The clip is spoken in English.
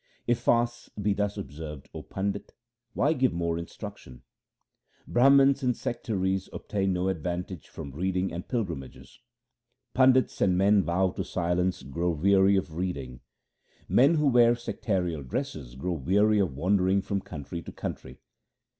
If fasts be thus observed, O Pandit, why give more in struction ? Brahmans and sectaries obtain no advantage from reading and pilgrimages :— Pandits and men vowed to silence grow weary of reading ; men who wear sectarial dresses grow weary of wandering from country to country.